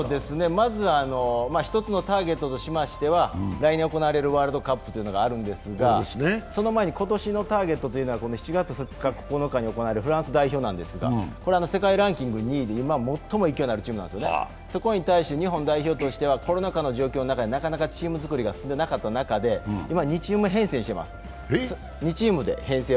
まず、１つのターゲットとしましては、来年行われるワールドカップというのがあるんですが、その前に今年のターゲットは７月２日、９日に行われるフランス代表なんですが、世界ランク２位で今、最も勢いのあるチームなんですよね、そこに対して日本はコロナ禍の状況の中でなかなかチーム作りが進んでいなかった中で今、２チームで編成をしています。